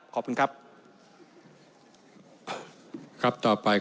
ขอบคุณครับ